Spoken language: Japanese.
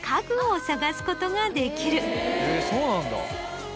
そうなんだ。